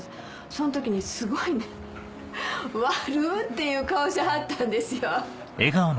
その時にすごいね「悪ぅ！」っていう顔しはったんですよ。